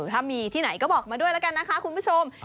ถ้ามีที่ไหนก็บอกมาด้วยแล้วกันนะคะคุณผู้ชม